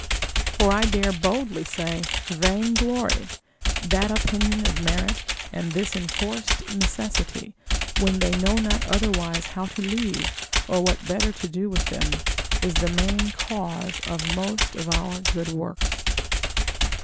For I dare boldly say, vainglory, that opinion of merit, and this enforced necessity, when they know not otherwise how to leave, or what better to do with them, is the main cause of most of our good works.